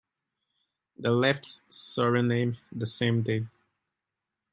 They left Suriname the same day.